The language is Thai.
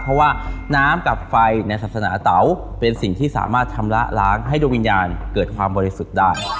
เพราะว่าน้ำกับไฟในศาสนาเตาเป็นสิ่งที่สามารถชำระล้างให้ดวงวิญญาณเกิดความบริสุทธิ์ได้